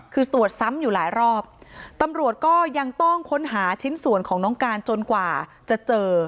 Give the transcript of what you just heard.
คือตรวจซ้ำอยู่หลายรอบตำรวจก็ยังต้องค้นหาชิ้นส่วนของน้องการจนกว่าจะเจอ